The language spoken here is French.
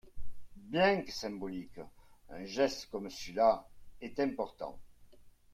Bien que symbolique, un geste comme celui-là est important.